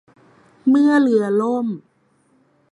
เมื่อเรือล่ม